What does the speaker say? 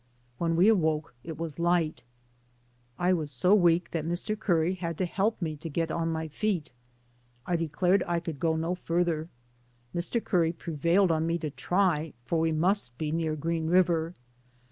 When we awoke it was light. 224 DAYS ON THE ROAD. "I was SO weak that Mr. Curry had to help me to get on my feet. I declared I could go no further. Mr. Curry prevailed on me to try, for we must be near Green River.